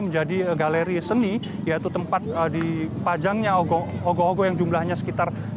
menjadi galeri seni yaitu tempat di pajangnya ogo ogo yang jumlahnya sekitar sepuluh